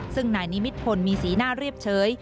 ซึ่งนายนิมิตพลมีสีหน้าเรียบเฉย